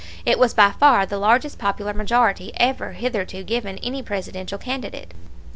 It was by far the largest popular majority ever hitherto given any Presidential candidate.